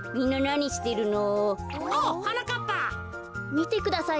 みてください